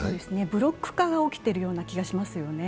ブロック化が起きているような気がしますよね。